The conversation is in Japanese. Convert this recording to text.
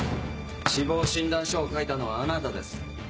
死亡診断書を書いたのはあなたです。